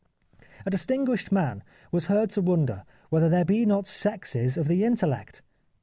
A distinguished man was heard to wonder whether there be not sexes of the intellect.